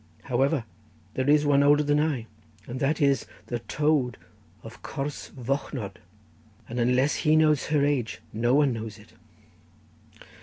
However, there is one older than I, and that is the toad of Cors Fochnod; and unless he knows her age no one knows it.